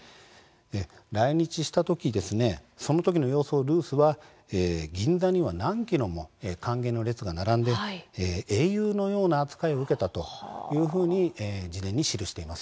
来日したときの様子をルースは銀座には何ｋｍも歓迎の列が並んで、英雄のような扱いを受けたというふうに自伝に記しています。